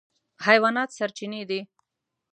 حیوانات سرچینې دي.